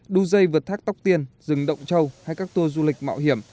đu dây vượt thác tóc tiên rừng động châu hay các tour du lịch mạo hiểm